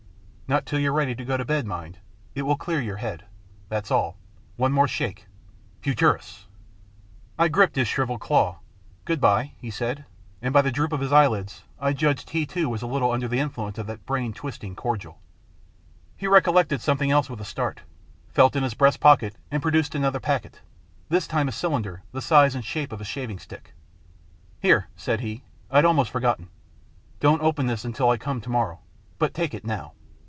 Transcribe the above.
Not till you're ready to go to bed, mind. It will clear your head. That's all. One more shake Futurus !" I gripped his shrivelled claw. " Good bye," he said, and by the droop of his eyelids I judged he too was a little under the influence of that brain twisting cordial. He recollected something else with a start, felt in his breast pocket, and produced another packet, this time a cylinder the size and shape of a shaving stick. 56 THE PLATTNER STORY AND OTHERS " Here," said he. " I'd almost forgotten. Don't open this until I come to morrow but take it now."